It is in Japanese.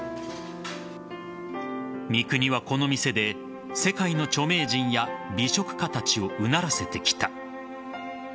三國はこの店で世界の著名人や美食家たちをうならせてきた。